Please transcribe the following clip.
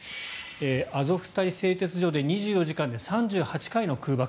アゾフスタリ製鉄所で２４時間で３８回の空爆。